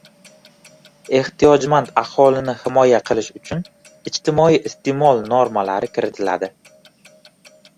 ehtiyojmand aholini himoya qilish uchun ijtimoiy iste’mol normalari kiritiladi.